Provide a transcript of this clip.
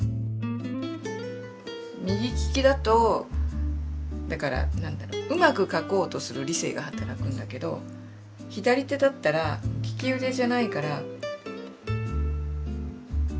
右利きだとだから何だろううまく書こうとする理性が働くんだけど発想みたいなのが働くんで何かう